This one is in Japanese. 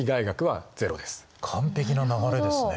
完璧な流れですね。